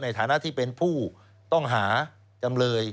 ในฐานะที่เป็นผู้ต้องหาจำเลย